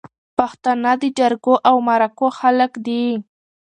پښتانه د جرګو او مرکو خلک دي